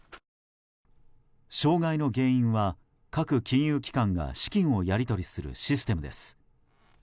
障害の原因は各金融機関が資金をやり取りするシステムです。